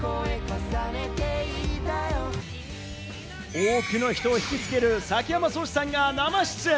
多くの人を引きつける崎山蒼志さんが生出演。